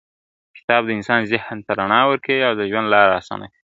کتاب د انسان ذهن ته رڼا ورکوي او د ژوند لاره اسانه کوي ..